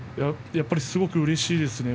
やっぱりすごくうれしいですね。